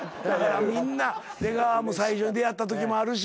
みんな出川も最初出会ったときもあるし。